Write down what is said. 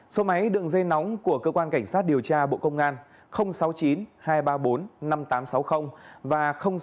số máy đường dây nóng của cơ quan cảnh sát điều tra bộ công an sáu mươi chín hai trăm ba mươi bốn năm nghìn tám trăm sáu mươi và sáu mươi chín hai trăm ba mươi hai một nghìn sáu trăm sáu mươi bảy